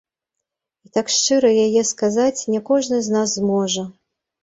І так шчыра яе сказаць не кожны з нас зможа.